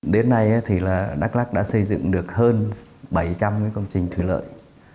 đến nay thì đắk lắc đã xây dựng được hơn bảy trăm linh công trình thủy lợi